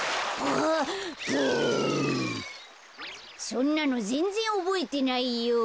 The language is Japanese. そんなのぜんぜんおぼえてないよ。